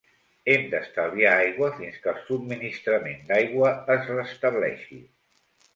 Hem d'estalviar aigua fins que el subministrament d'aigua es restableixi.